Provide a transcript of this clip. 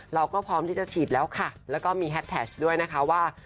เราก็พร้อมที่จะฉีดแล้วค่ะแล้วก็มีแฮดแท็กด้วยนะคะว่า